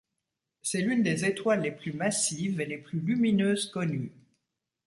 C'est l'une des étoiles les plus massives et les plus lumineuses connues.